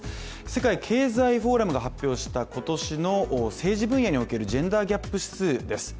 世界経済フォーラムが発表した、今年の政治分野におけるジェンダーギャップ指数です。